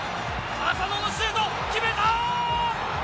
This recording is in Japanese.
浅野のシュート決めた。